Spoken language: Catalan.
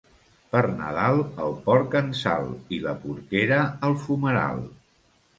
Per Nadal el porc en sal i la porquera al fumeral.